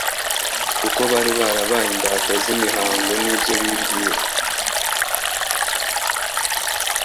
kuko bari barabaye imbata z'imihango n'ibyo bibwira.